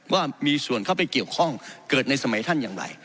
ว่ามีส่วนเข้าไปเกี่ยวข้องเกิดในสมัยท่านอย่างไร